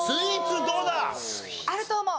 あると思う。